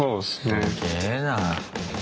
すげぇな。